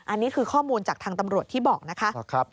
อันนี้คือข้อมูลจากทางตำรวจที่บอกนะคะ